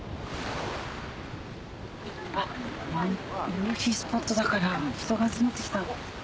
夕陽スポットだから人が集まってきた。